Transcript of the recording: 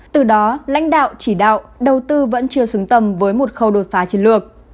từ đó lãnh đạo chỉ đạo đầu tư vẫn chưa xứng tầm với một khâu đột phá chiến lược